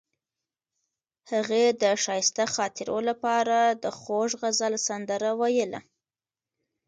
هغې د ښایسته خاطرو لپاره د خوږ غزل سندره ویله.